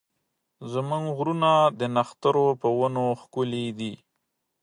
زموږ غرونه د نښترو په ونو ښکلي دي.